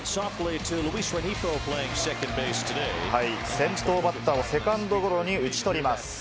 先頭バッターをセカンドゴロに打ち取ります。